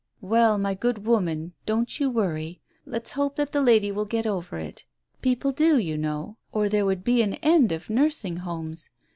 "Well, my good woman, don't you worry. Let's hope that the lady will get over it. People do, you know, or there would be an end of nursing homes.